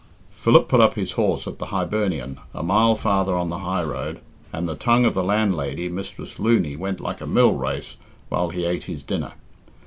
Philip put up his horse at the Hibernian, a mile farther on the high road, and the tongue of the landlady, Mistress Looney went like a mill race while he ate his dinner.